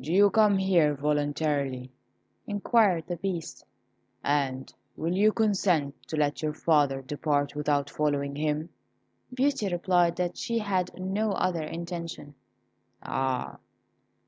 "Do you come here voluntarily?" inquired the Beast; "and will you consent to let your father depart without following him?" Beauty replied that she had no other intention. "Ah!